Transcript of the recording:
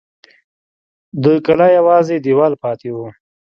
د کلا یوازې دېوال پاته و.